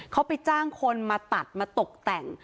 เขาไปจ้างคนมาตัดมาตกแต่ง